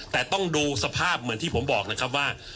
แต่ต้องดูสภาพเหมือนที่ผมบอกนะครับว่า